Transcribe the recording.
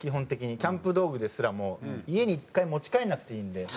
キャンプ道具ですらも家に１回持ち帰らなくていいんで。